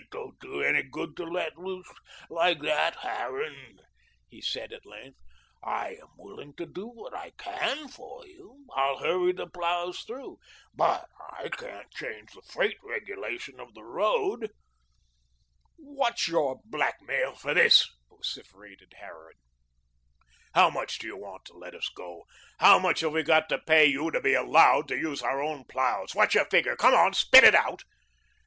"It don't do any good to let loose like that, Harran," he said at length. "I am willing to do what I can for you. I'll hurry the ploughs through, but I can't change the freight regulation of the road." "What's your blackmail for this?" vociferated Harran. "How much do you want to let us go? How much have we got to pay you to be ALLOWED to use our own ploughs what's your figure? Come, spit it out."